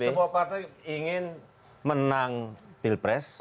semua partai ingin menang pilpres